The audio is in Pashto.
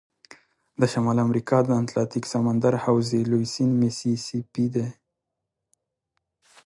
د شمال امریکا د اتلانتیک سمندر حوزې لوی سیند میسی سی پي دی.